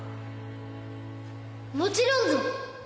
もちろんぞ！